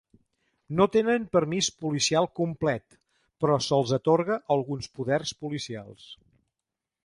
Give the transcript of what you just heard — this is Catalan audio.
No tenen permís policial complet, però se'ls atorga alguns poders policials.